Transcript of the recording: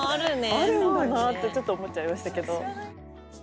あるんだなってちょっと思っちゃいましたけど。